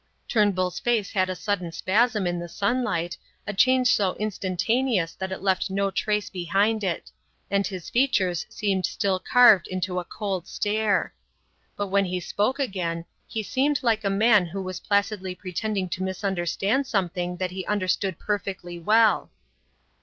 Turnbull's face had a sudden spasm in the sunlight, a change so instantaneous that it left no trace behind it; and his features seemed still carved into a cold stare. But when he spoke again he seemed like a man who was placidly pretending to misunderstand something that he understood perfectly well.